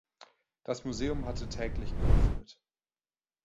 Das Museum hatte täglich geöffnet.